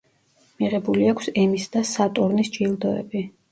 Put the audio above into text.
მიღებული აქვს ემის და სატურნის ჯილდოები.